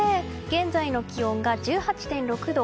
現在の気温が１８．６度。